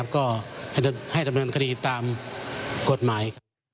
ก็ให้ดำเนินคดีตามกฎหมาย